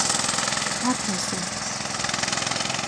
Atlase.